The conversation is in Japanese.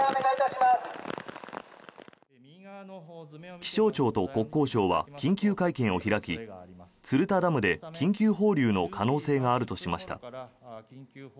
気象庁と国交省は緊急会見を開き鶴田ダムで緊急放流の可能性があるとしました。